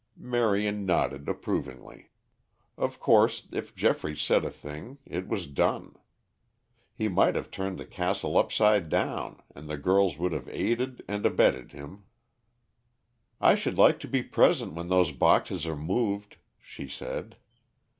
Marion nodded approvingly. Of course if Geoffrey said a thing it was done. He might have turned the castle upside down and the girls would have aided and abetted him. "I should like to be present when those boxes are moved," she said.